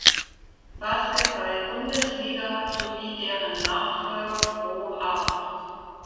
Basketball-Bundesliga sowie deren Nachfolger ProA.